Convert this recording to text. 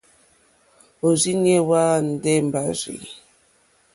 Òrzìɲɛ́ hwá àndè mbàrzì.